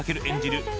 演じる